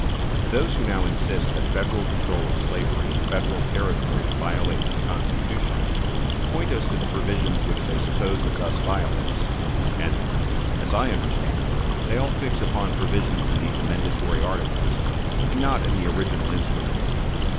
Those who now insist that Federal control of slavery in Federal Territories violates the Constitution, point us to the provisions which they suppose it thus violates; and, as I understand, they all fix upon provisions in these amendatory articles, and not in the original instrument.